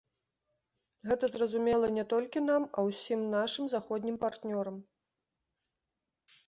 Гэта зразумела не толькі нам, а ўсім нашым заходнім партнёрам.